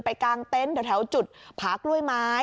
ไปกางเต้นแถวจุดพากล้วยไม้